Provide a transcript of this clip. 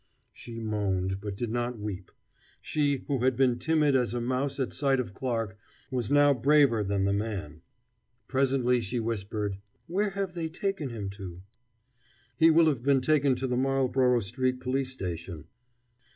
She moaned, but did not weep. She, who had been timid as a mouse at sight of Clarke, was now braver than the man. Presently she whispered: "Where have they taken him to?" "He will have been taken to the Marlborough Street police station."